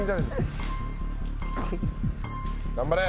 頑張れ！